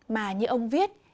mà như ông viết